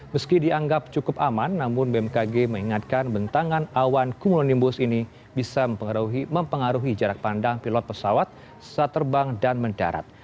meski dianggap cukup aman namun bmkg mengingatkan bentangan awan cumulonimbus ini bisa mempengaruhi jarak pandang pilot pesawat saat terbang dan mendarat